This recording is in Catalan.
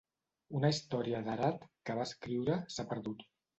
Una història d'Herat que va escriure s'ha perdut.